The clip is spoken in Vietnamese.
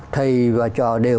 thầy và trò đều